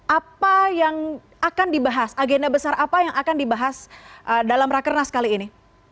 apa yang akan dibahas agenda besar apa yang akan dibahas dalam rakernas kali ini